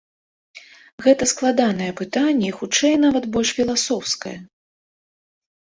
Гэта складанае пытанне і хутчэй нават больш філасофскае.